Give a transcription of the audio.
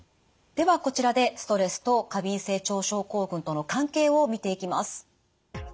ではこちらでストレスと過敏性腸症候群との関係を見ていきます。